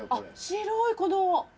白いこの。